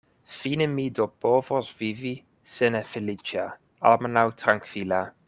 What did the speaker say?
Fine mi do povos vivi se ne feliĉa, almenaŭ trankvila.